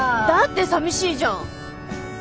だって寂しいじゃん。